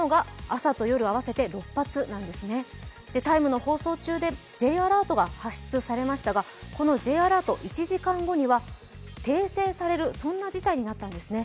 「ＴＨＥＴＩＭＥ，」の放送中、Ｊアラートが発出されましたがこのＪアラート、１時間後には訂正される事態になったんですね。